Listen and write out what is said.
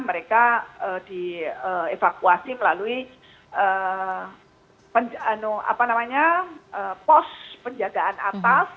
mereka dievakuasi melalui pos penjagaan atas